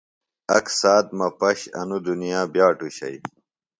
اک ساعت مہ پش انوۡ دنیا بِیاٹوۡ شئی۔